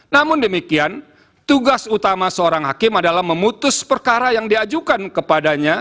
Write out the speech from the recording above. namun demikian tugas utama seorang hakim adalah memutus perkara yang diajukan kepadanya